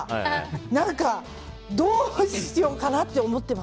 何かどうしようかなって思ってます。